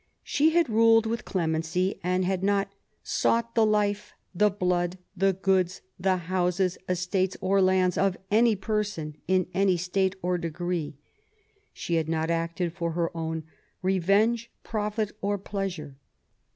She had ruled with clemency, and had not " sought the life, the blood, the goods, the houses, estates or lands of any person in an}' state or degree "; she had not acted for her own " revenge, profit, or pleasure